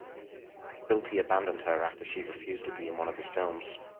Quilty abandoned her after she refused to be in one of his films.